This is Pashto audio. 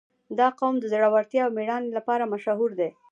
• دا قوم د زړورتیا او مېړانې لپاره مشهور دی.